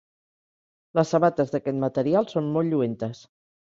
Les sabates d'aquest material són molt lluentes.